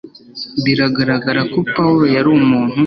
biragaragara ko pawulo yari umuntu